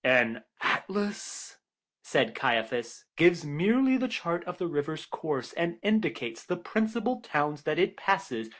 "An atlas," said Caiaphas, "gives merely the chart of the river's course, and indicates the principal towns that it passes.